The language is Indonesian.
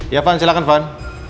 iya irfan silahkan irfan